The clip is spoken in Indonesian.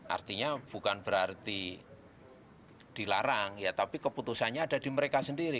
artinya bukan berarti dilarang ya tapi keputusannya ada di mereka sendiri